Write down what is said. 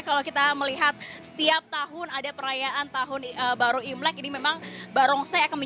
kalau kita melihat setiap tahun ada perayaan tahun baru imlek